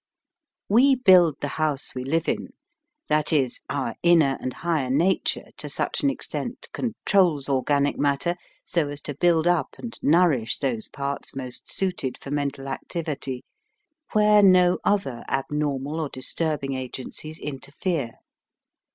AND MOTION. 79 Ō¢Ā ' Ō¢Ā Ō¢Ā Ō¢Ā Ō¢Ā . Ō¢Ā We build the house we live in, that is, our inner and higher nature to such an extent controls organic matter so as to build up and nourish those parts most suited for mental activity, where no other abnormal or disturbing agen cies interfere.